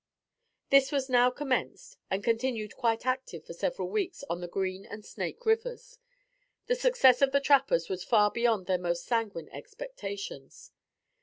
This was now commenced and continued quite active for several weeks on the Green and Snake Rivers. The success of the trappers was far beyond their most sanguine expectations.